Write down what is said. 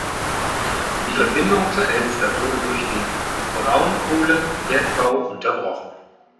Die Verbindung zur Elster wurde durch den Braunkohlenbergbau unterbrochen.